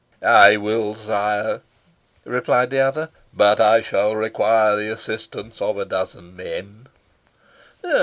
"I will, sire," replied the other. "But I shall require the assistance of a dozen men."